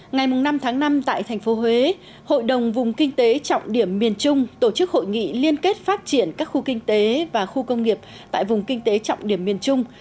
ngày năm tháng năm tại thành phố huế hội đồng vùng kinh tế trọng điểm miền trung tổ chức hội nghị liên kết phát triển các khu kinh tế và khu công nghiệp tại vùng kinh tế trọng điểm miền trung